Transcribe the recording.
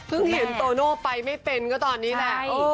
เพิ่งเห็นตอร์โน้มไปไม่เป็นก็ตอนนี้น่ะ